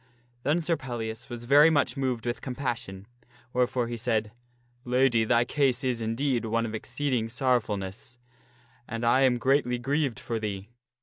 Then Sir Pellias was very much moved with compassion, wherefore he said, " Lady, thy case is, indeed, one of exceeding sorrowfulness, and I am greatly grieved for thee.